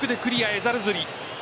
エザルズリ。